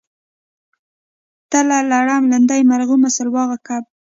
تله لړم لیندۍ مرغومی سلواغه کب